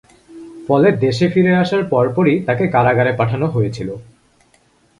ফলে, দেশে ফিরে আসার পরপরই তাকে কারাগারে পাঠানো হয়েছিল।